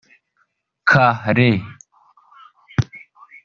Kale